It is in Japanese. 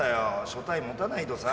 所帯持たないとさ。